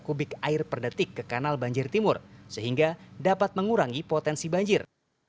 kubik air per detik ke kanal banjir timur sehingga dapat mengurangi potensi banjir